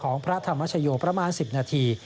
พระธรรมชโยประมาณ๑๐นาที